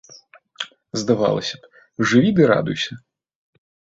Здавалася б, жыві ды радуйся.